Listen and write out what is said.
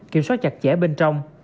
kiểm soát chặt chẽ bên trong